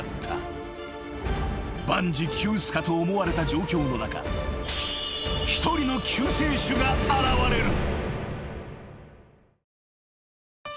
［万事休すかと思われた状況の中一人の救世主が現れる］